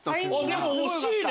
でも惜しいね。